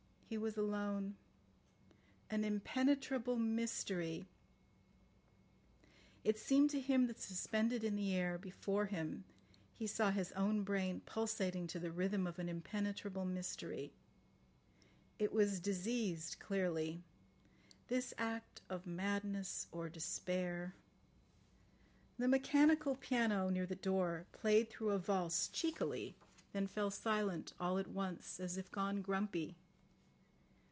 He was alone. "An impenetrable mystery. ..." It seemed to him that suspended in the air before him he saw his own brain pulsating to the rhythm of an impenetrable mystery. It was diseased clearly. ... "This act of madness or despair." The mechanical piano near the door played through a valse cheekily, then fell silent all at once, as if gone grumpy.